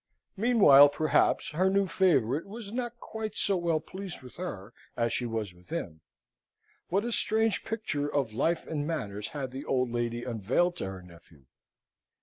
Meanwhile, perhaps, her new favourite was not quite so well pleased with her as she was with him. What a strange picture of life and manners had the old lady unveiled to her nephew!